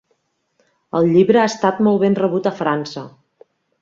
El llibre ha estat molt ben rebut a França.